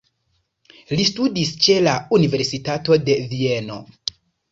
Li studis ĉe la Universitato de Vieno.